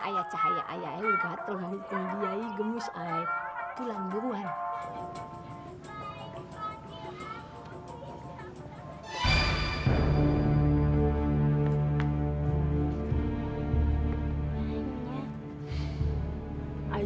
ayah cahaya ayahnya gatal ngikutin dia gemes oleh tulang berwarna hai hai hai